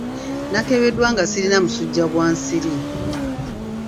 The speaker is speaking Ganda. Nnakebeddwa nga sirina musujja gwa nsiri.